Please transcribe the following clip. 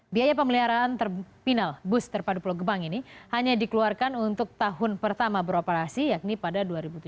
biaya pemeliharaan terminal bus terpadu pulau gebang ini hanya dikeluarkan untuk tahun pertama beroperasi yakni pada dua ribu tujuh belas